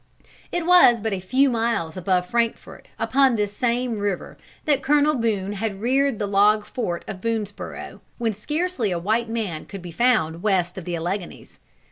It was but a few miles above Frankfort upon this same river that Colonel Boone had reared the log fort of Boonesborough, when scarcely a white man could be found west of the Alleghanies.